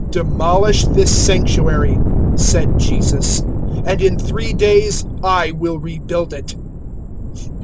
002:019 "Demolish this Sanctuary," said Jesus, "and in three days I will rebuild it."